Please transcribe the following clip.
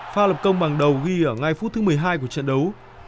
pha lập công bằng đầu ghi ở ngay phút thứ một mươi hai của trận đấu